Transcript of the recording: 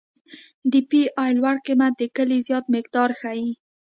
د پی ای لوړ قیمت د کلې زیات مقدار ښیي